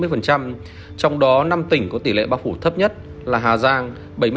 trong đó năm tỉnh có tỷ lệ bao phủ thấp nhất là hà giang